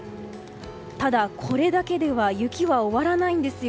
ただ、これだけでは雪は終わらないんですよ。